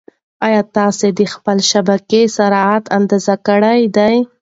ایا تاسي د خپلې شبکې سرعت اندازه کړی دی؟